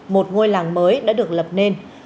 một ngôi làng mới đã được lập nên